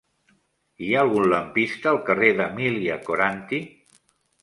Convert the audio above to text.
Hi ha algun lampista al carrer d'Emília Coranty?